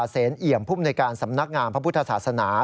เสนเอี่ยมภูมิในการสำนักงามพระพุทธศาสนา